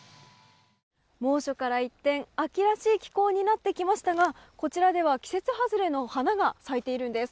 猛暑から一転秋らしい気候になってきましたがこちらでは季節外れの花が咲いているんです。